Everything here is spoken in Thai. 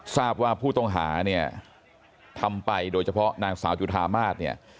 ทราบว่าผู้ต้องหาเนี่ยทำไปโดยเฉพาะนางสาวจุธามาศเนี่ย